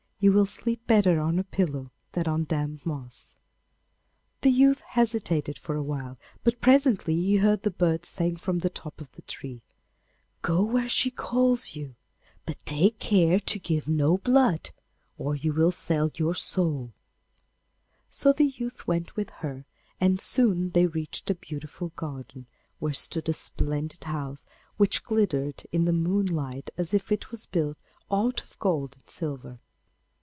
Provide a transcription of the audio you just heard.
You will sleep better on a pillow than on damp moss.' [Illustration: The Witch Maiden Sees the Young Man Under a Tree] The youth hesitated for a little, but presently he heard the birds saying from the top of the tree, 'Go where she calls you, but take care to give no blood, or you will sell your soul.' So the youth went with her, and soon they reached a beautiful garden, where stood a splendid house, which glittered in the moonlight as if it was all built out of gold and silver.